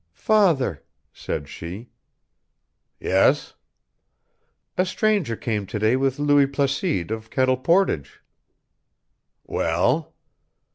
"Father," said she. "Yes." "A stranger came to day with Louis Placide of Kettle Portage." "Well?"